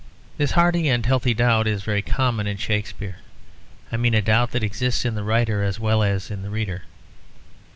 This hearty and healthy doubt is very common in Shakespeare; I mean a doubt that exists in the writer as well as in the reader.